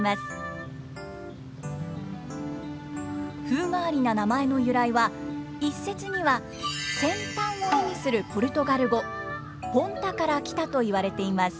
風変わりな名前の由来は一説には「先端」を意味するポルトガル語「ｐｏｎｔａ」からきたといわれています。